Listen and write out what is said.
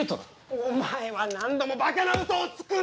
お前は何度もバカなウソをつくな！